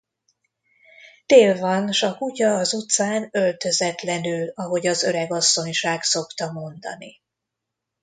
Tél van, s a kutya az utcán, öltözetlenül, ahogy az öreg asszonyság szokta mondani.